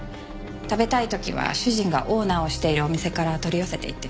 食べたい時は主人がオーナーをしているお店から取り寄せていて。